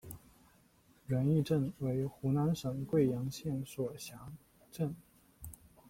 仁义镇为湖南省桂阳县所辖镇。